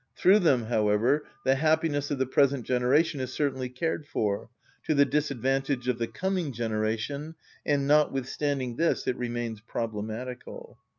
Through them, however, the happiness of the present generation is certainly cared for, to the disadvantage of the coming generation, and notwithstanding this it remains problematical.